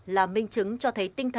là minh chứng cho thấy tinh thần